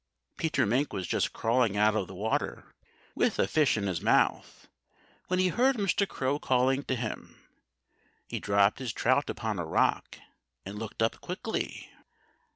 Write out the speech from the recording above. Peter Mink was just crawling out of the water, with a fish in his mouth. When he heard Mr. Crow calling to him, he dropped his trout upon a rock and looked up quickly.